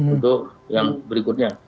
untuk yang berikutnya